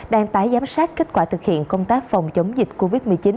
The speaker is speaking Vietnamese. đang tái giám sát kết quả thực hiện công tác phòng chống dịch covid một mươi chín